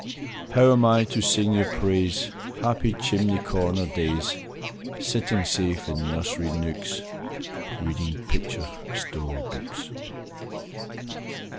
How am I to sing your praise, Happy chimney corner days, Sitting safe in nursery nooks, Reading picture story books?